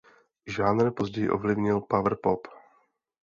Žánr později ovlivnil power pop.